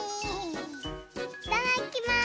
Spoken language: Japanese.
いただきます！